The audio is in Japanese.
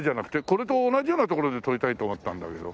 これと同じような所で撮りたいと思ったんだけど。